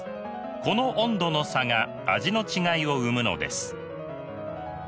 この温度の差が味の違いを生むのです。